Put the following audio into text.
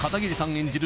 演じる